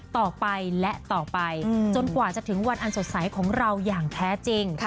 ต่อไปและต่อไปจนกว่าจะถึงวันอันสดใสของเราอย่างแท้จริง